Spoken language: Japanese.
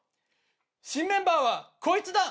「新メンバーはこいつだ！」。